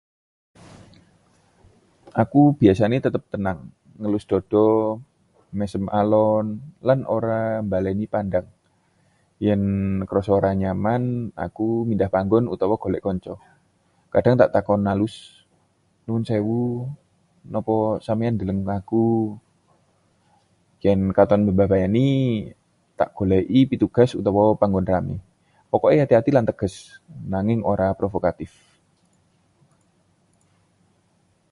"Aku biasane tetep tenang: ngelus dada, mesem alon, lan ora mbaleni pandang. Yen krasa ora nyaman, aku mindhah panggon utawa golek kanca. Kadhang tak takon alus: ""Nuwun sewu, napa sampeyan ndeleng aku?"" Yen katon mbebayani, tak goleki petugas utawa panggon rame. Pokoke ati-ati lan tegas, nanging ora provokatif."